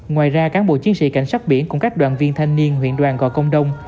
ngoài ra cán bộ chiến sĩ cảnh sát biển cùng các đoàn viên thanh niên huyện đoàn gò công đông